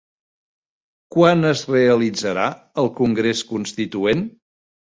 Quan es realitzarà el congrés constituent?